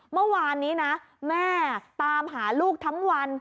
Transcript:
เมื่อวานนี้นะแม่ตามหาลูกทั้งวัน